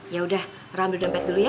yaudah rambut dan pat dulu ya